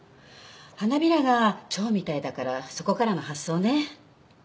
花びらが蝶みたいだからそこからの発想ね。